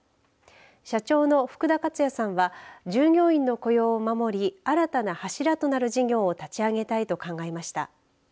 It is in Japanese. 社長の福田勝也さんは従業員の雇用を守り新たな柱となる事業を立ち上げたいと考えました。